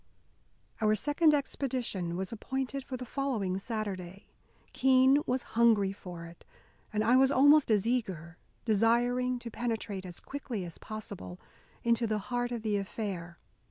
Our second expedition was appointed for the following Saturday. Keene was hungry for it, and I was almost as eager, desiring to penetrate as quickly as possible into the heart of the affair.